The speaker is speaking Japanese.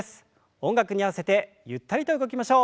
音楽に合わせてゆったりと動きましょう。